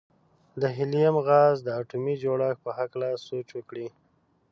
د هیلیم غاز د اتومي جوړښت په هکله سوچ وکړئ.